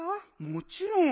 もちろん。